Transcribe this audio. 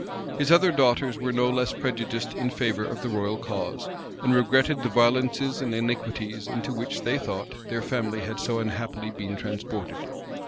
His other daughters were no less prejudiced in favor of the royal cause, and regretted the violences and iniquities into which, they thought, their family had so unhappily been transported.